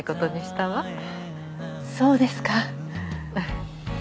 そうですか。